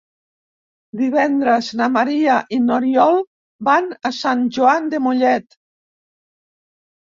Divendres na Maria i n'Oriol van a Sant Joan de Mollet.